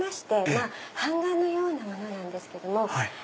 まぁ版画のようなものなんですけども。